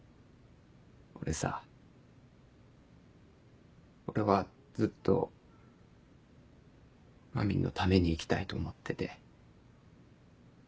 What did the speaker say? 俺さ俺はずっとまみんのために生きたいと思ってて。